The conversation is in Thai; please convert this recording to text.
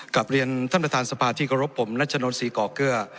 กลับเรียนท่านประธานสภาที่เคารพผมนัชนนศรีก่อเกลือ